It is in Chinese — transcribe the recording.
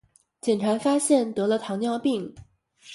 检查发现得了糖尿病